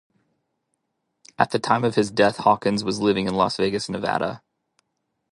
At the time of his death Hawkins was living in Las Vegas, Nevada.